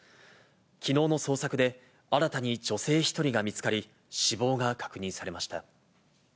きのうの捜索で、新たに女性１人が見つかり、死亡が確認されました。